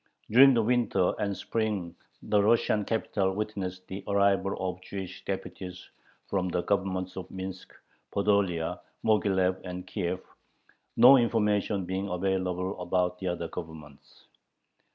During the winter and spring the Russian capital witnessed the arrival of Jewish deputies from the Governments of Minsk, Podolia, Moghilev, and Kiev, no information being available about the other Governments.